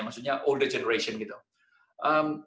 maksudnya generasi tua